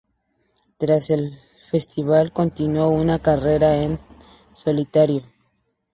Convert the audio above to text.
Tras el Festival, continúo una carrera en solitario.